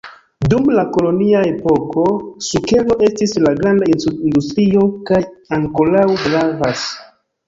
Dum la kolonia epoko, sukero estis la granda industrio kaj ankoraŭ gravas.